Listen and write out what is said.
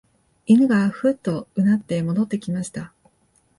犬がふうと唸って戻ってきました